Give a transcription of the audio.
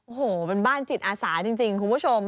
โอ้โหเป็นบ้านจิตอาสาจริงคุณผู้ชม